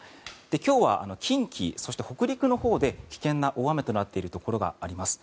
今日は近畿、そして北陸のほうで危険な大雨となっているところがあります。